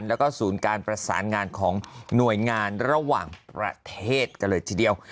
แล้วก็ศูนย์การประสานงานของหน่วยงานระหว่างประเทศกันเลยทีเดียว